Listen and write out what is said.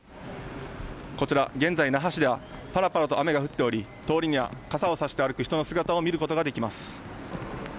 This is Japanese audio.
こちら現在那覇市ではぱらぱらと雨が降っており通りには傘を差して歩く人の姿を見ることができます。